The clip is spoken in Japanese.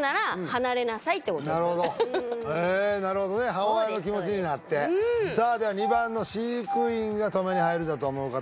母親の気持ちになってさあでは２番の飼育員が止めに入るだと思う方